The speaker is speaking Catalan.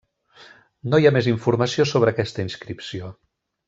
No hi ha més informació sobre aquesta inscripció.